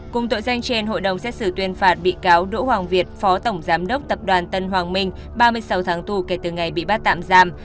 cùng tội danh trên hội đồng xét xử tuyên phạt bị cáo đỗ hoàng việt phó tổng giám đốc tập đoàn tân hoàng minh ba mươi sáu tháng tù kể từ ngày bị bắt tạm giam